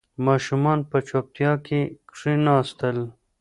ماشومان په چوپتیا کې کښېناستل.